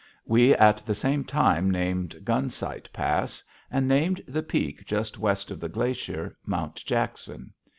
We at the same time named Gun Sight Pass, and named the peak just west of the glacier, Mount Jackson.